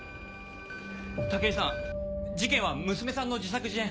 武井さん事件は娘さんの自作自演。